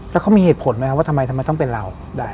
แล้วเขามีเหตุผลไหมครับว่าทำไมทำไมต้องเป็นเราได้